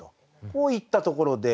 こういったところで。